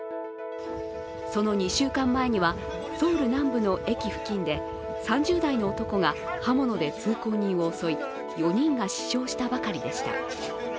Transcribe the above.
その２週間前にはソウル南部の駅付近で３０代の男が刃物で通行人を襲い４人が死傷したばかりでした。